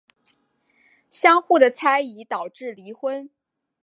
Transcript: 相互的猜疑导致离婚。